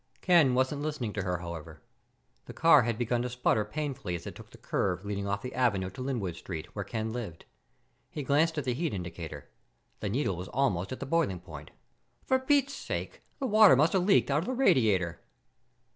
Ken wasn't listening to her, however. The car had begun to sputter painfully as it took the curve leading off the avenue to Linwood Street where Ken lived. He glanced at the heat indicator. The needle was almost at the boiling point. "For Pete's sake! The water must have leaked out of the radiator."